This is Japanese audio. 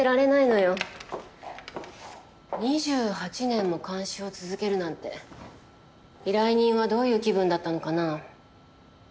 ２８年も監視を続けるなんて依頼人はどういう気分だったのかな？